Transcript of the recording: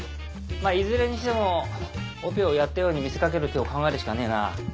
まあいずれにしてもオペをやったように見せ掛ける手を考えるしかねえな。